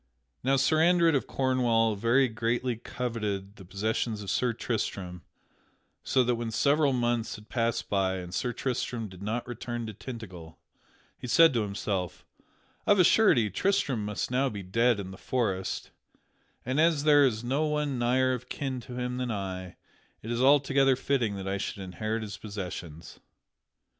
Now Sir Andred of Cornwall very greatly coveted the possessions of Sir Tristram, so that when several months had passed by and Sir Tristram did not return to Tintagel, he said to himself: "Of a surety, Tristram must now be dead in the forest, and, as there is no one nigher of kin to him than I, it is altogether fitting that I should inherit his possessions."